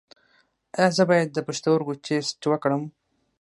ایا زه باید د پښتورګو ټسټ وکړم؟